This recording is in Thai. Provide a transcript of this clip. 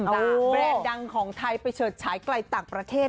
แบรนด์ดังของไทยไปเฉิดฉายไกลต่างประเทศ